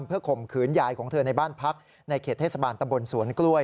เพื่อข่มขืนยายของเธอในบ้านพักในเขตเทศบาลตำบลสวนกล้วย